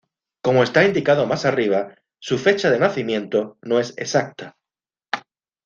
Como está indicado más arriba, su fecha de nacimiento no es exacta.